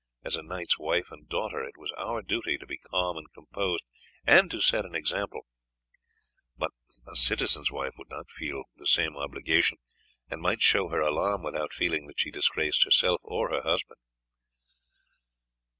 As a knight's wife and daughter it was our duty to be calm and composed and to set an example, but a citizen's wife would not feel the same obligation, and might show her alarm without feeling that she disgraced herself or her husband."